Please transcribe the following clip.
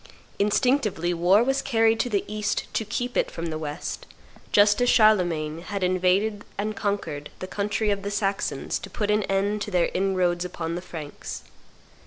Instinctively war was carried to the East to keep it from the West, just as Charlemagne had invaded and conquered the country of the Saxons to put an end to their inroads upon the Franks.